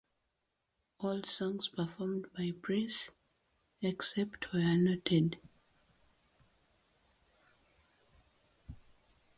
All songs performed by Prince, except where noted.